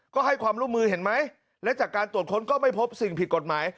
ก็ให้ความร่วมมือเห็นไหมและจากการตรวจค้นก็ไม่พบสิ่งผิดกฎหมาย